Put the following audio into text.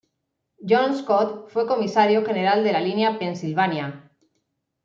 John Scott fue comisario general de la línea Pensilvania.